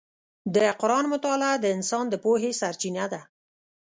د قرآن مطالعه د انسان د پوهې سرچینه ده.